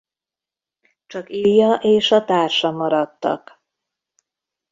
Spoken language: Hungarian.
Csak Ilya és a társa maradtak.